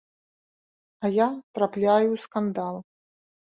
А я трапляю ў скандал.